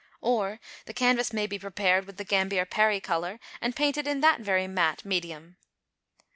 Or the canvas may be prepared with the Gambier Parry colour and painted in that very mat medium.